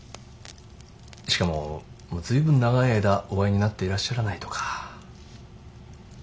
しかももう随分長い間お会いになっていらっしゃらないとか。